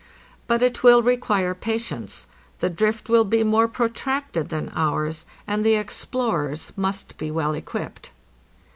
But it will require patience: the drift will be more protracted than ours, and the explorers must be well equipped.